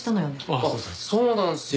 あっそうなんすよ。